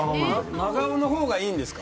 真顔の方がいいんですか。